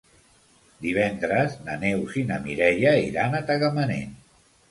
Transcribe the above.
Divendres na Neus i na Mireia iran a Tagamanent.